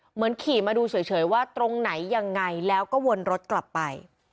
เหมือนขี่มาดูเฉยว่าตรงไหนยังไงแล้วก็วนรถกลับไป